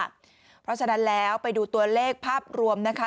เพราะฉะนั้นแล้วไปดูตัวเลขภาพรวมนะคะ